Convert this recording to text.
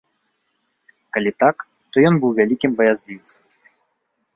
Калі так, то ён быў вялікім баязліўцам.